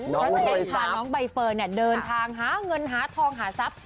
น้องใบเฟิร์นเนี่ยเดินทางหาเงินหาทองหาทรัพย์